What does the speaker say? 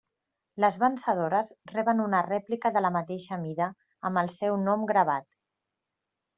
Les vencedores reben una rèplica de la mateixa mida amb el seu nom gravat.